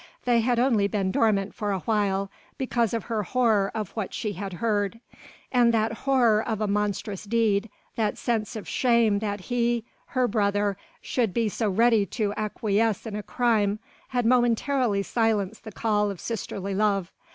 They had only been dormant for awhile, because of her horror of what she had heard. And that horror of a monstrous deed, that sense of shame that he her brother should be so ready to acquiesce in a crime had momentarily silenced the call of sisterly love.